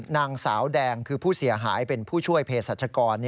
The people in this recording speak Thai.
นางสาวแดงคือผู้เสียหายเป็นผู้ช่วยเพศรัชกร